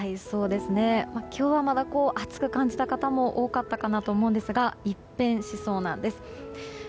今日はまだ暑く感じた方も多かったと思うんですが一変しそうなんです。